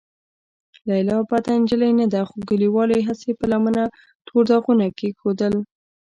لیلا بده نجلۍ نه ده، خو کليوالو یې هسې په لمنه تور داغونه کېښودل.